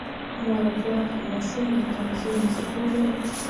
مور او پلار د ماشوم د تغذیې مسؤلیت لري.